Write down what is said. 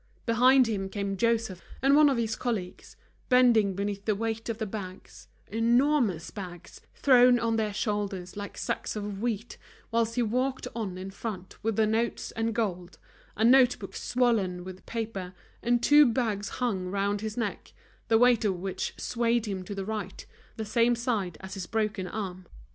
Behind him came Joseph and one of his colleagues, bending beneath the weight of the bags, enormous bags, thrown on their shoulders like sacks of wheat, whilst he walked on in front with the notes and gold, a note book swollen with paper, and two bags hung round his neck, the weight of which swayed him to the right, the same side as his broken arm.